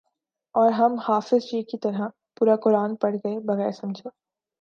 اور ہم حافظ جی کی طرح پورا قرآن پڑھ گئے بغیر سمجھے